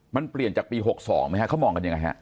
มันเปลี่ยนจากปี๖๒ไหมฮะเขามองกันยังไงฮะ